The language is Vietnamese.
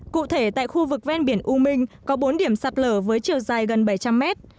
cụ thể tại khu vực ven biển u minh có bốn điểm sạt lở với chiều dài gần bảy trăm linh mét